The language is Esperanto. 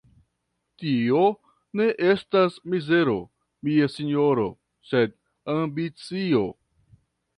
Tio ne estas mizero, mia sinjoro, sed ambicio!